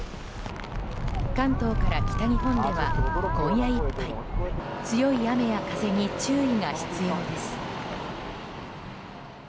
関東から北日本では今夜いっぱい強い雨や風に注意が必要です。